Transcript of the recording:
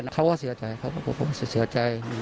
เขาก็เสียใจเขาก็บอกผมเสียใจ